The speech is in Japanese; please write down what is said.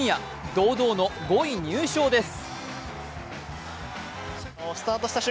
堂々の５位入賞です。